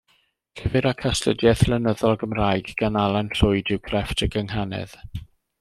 Llyfr ac astudiaeth lenyddol, Gymraeg gan Alan Llwyd yw Crefft y Gynghanedd.